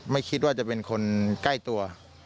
ไม่คิดว่าจะเป็นคนใกล้ตัว